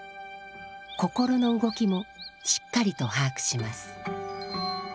心の動きもしっかりと把握します。